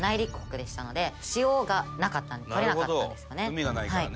海がないからね。